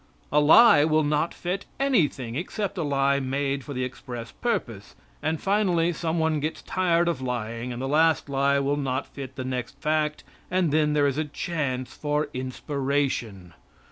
A lie will not fit anything except a lie made for the express purpose; and, finally, some one gets tired of lying, and the last lie will not fit the next fact, and then there is a chance for inspiration.